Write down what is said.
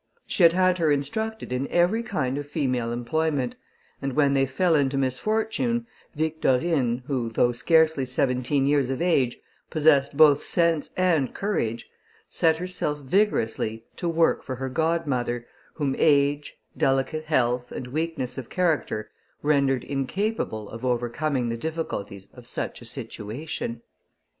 She had had her instructed in every kind of female employment; and when they fell into misfortune, Victorine, who, though scarcely seventeen years of age, possessed both sense and courage, set herself vigorously to work for her godmother, whom age, delicate health, and weakness of character, rendered incapable of overcoming the difficulties of such a situation.